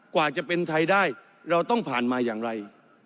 กว่าจะเป็นไทยได้เราต้องผ่านมาอย่างไร